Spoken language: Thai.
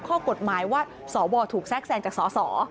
ข้อกฎหมายว่าสวถูกแทรกแทรงจากสส